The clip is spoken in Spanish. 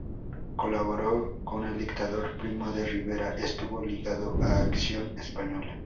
Colaboró con el dictador Primo de Rivera, estuvo ligado a Acción Española.